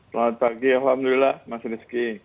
selamat pagi alhamdulillah masih rezeki